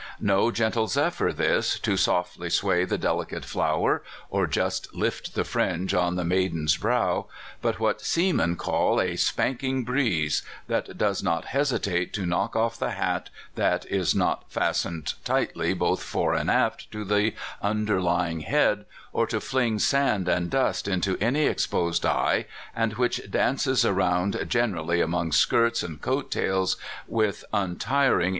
No gentle zephyr this, to softly sway the delicate flower or just lift the fringe on the maid en's brow, but what seamen call a "spanking breeze," that does not hesitate to knock off the hat that is not fastened tightly both fore and aft to the underlying head, or to fling sand and dust into any exposed eye, and which dances around gen erally among skirts and coat tails with untiring 206 CALIFORNIA SKETCHES.